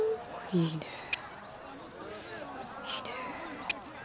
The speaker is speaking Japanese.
いいねえ。